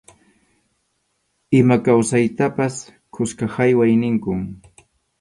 Ima kawsaytapas quyqa hayway ninkum.